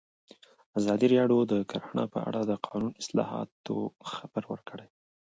ازادي راډیو د کرهنه په اړه د قانوني اصلاحاتو خبر ورکړی.